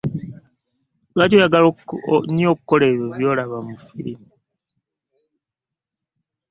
Lwaki oyagala nnyo okukola by'olaba mu ffirimu?